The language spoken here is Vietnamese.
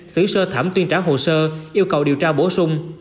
xử sơ thẩm tuyên trả hồ sơ yêu cầu điều tra bổ sung